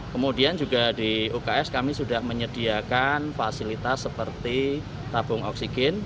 kemudian juga di uks kami sudah menyediakan fasilitas seperti tabung oksigen